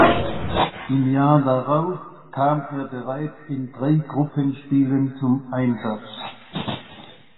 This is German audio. Im Jahr darauf kam er bereits in drei Gruppenspielen zum Einsatz.